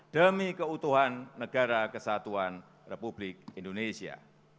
demi keutuhan negara kesatuan republik indonesia